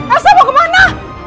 elsa mau kemana